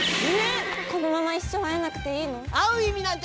このまま一生会えなくていいの？